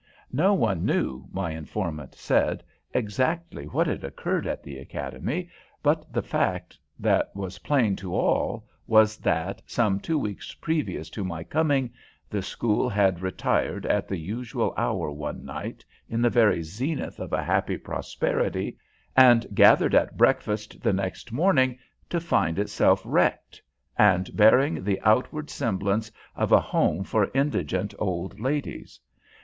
No one knew, my informant said, exactly what had occurred at the academy, but the fact that was plain to all was that, some two weeks previous to my coming, the school had retired at the usual hour one night, in the very zenith of a happy prosperity, and gathered at breakfast the next morning to find itself wrecked, and bearing the outward semblance of a home for indigent old ladies.